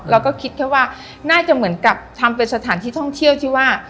เราก็คิดแค่ว่าน่าจะเหมือนกับทำเป็นสถานที่ท่องเที่ยวที่ว่า